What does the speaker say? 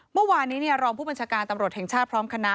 เมื่อวานนี้รองผู้บัญชาการตำรวจแห่งชาติพร้อมคณะ